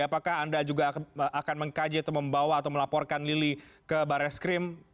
apakah anda juga akan mengkaji atau membawa atau melaporkan lili ke baris krim